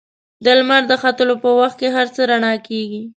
د لمر د ختلو په وخت کې هر څه رڼا کېږي.